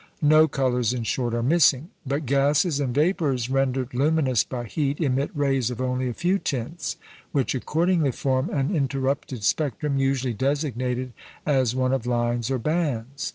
No colours, in short, are missing. But gases and vapours rendered luminous by heat emit rays of only a few tints, which accordingly form an interrupted spectrum, usually designated as one of lines or bands.